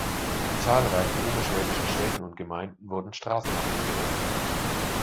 In zahlreichen oberschwäbischen Städten und Gemeinden wurden Straßen nach ihm benannt.